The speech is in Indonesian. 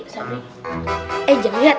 eh jangan liat jangan liat